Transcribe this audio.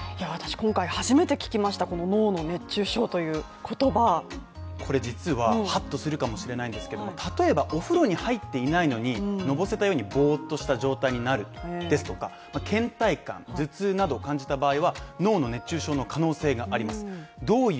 今回初めて聞きました熱中症という言葉、これ実ははっとするかもしれないんですけども、例えばお風呂に入っていないのに、のぼせたようにボーッとした状態になるですとか、倦怠感、頭痛などを感じた場合は、脳の熱中症の可能性があります。